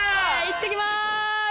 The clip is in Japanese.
いってきます。